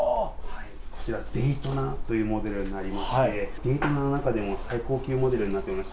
こちらデイトナというモデルになりまして、デイトナの中でも最高級モデルになっております。